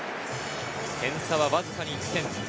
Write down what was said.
点差はわずかに１点。